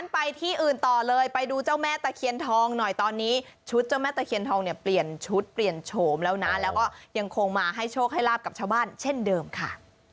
ไปที่อื่นต่อเลยไปดูเจ้าแม่ตะเคียนทองหน่อยตอนนี้ชุดเจ้าแม่ตะเคียนทองเนี่ยเปลี่ยนชุดเปลี่ยนโฉมแล้วนะแล้วก็ยังคงมาให้โชคให้ลาบกับชาวบ้านเช่นเดิมค่ะ